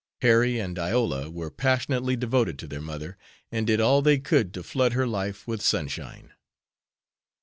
Harry and Iola were passionately devoted to their mother, and did all they could to flood her life with sunshine.